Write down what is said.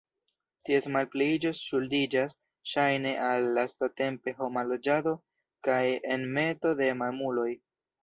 Ties malpliiĝo ŝuldiĝas ŝajne al lastatempe homa loĝado kaj enmeto de mamuloj.